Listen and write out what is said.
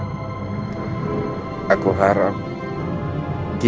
tante nick nahas hati